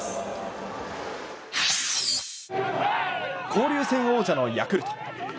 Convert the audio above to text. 交流戦王者のヤクルト。